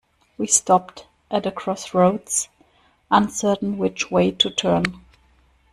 We stopped at the crossroads, uncertain which way to turn